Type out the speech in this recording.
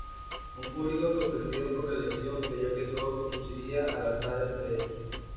Un público sorprendido por la elección, creyó que todo conduciría al altar entre ellos.